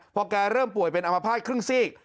พอแกเริ่มป่วยเป็นอมภาษณครึ่งซีก